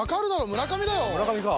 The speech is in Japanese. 村上か。